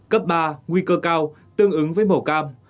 cấp ba nguy cơ cao tương ứng với màu cam